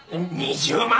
２０万